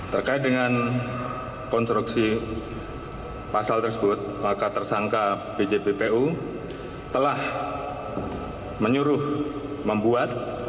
terkait dengan konstruksi pasal tersebut maka tersangka bjppu telah menyuruh membuat